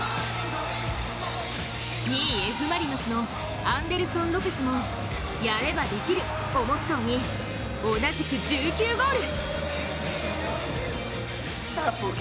２位・Ｆ・マリノスのアンデルソン・ロペスも「やればできる」をモットーに同じく１９ゴール。